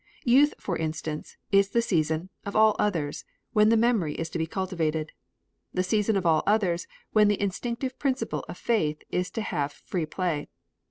Youth, for instance, is the season, of all others, when the memory is to be cultivated; the season of all others, when the instinctive principle of faith is to have free play.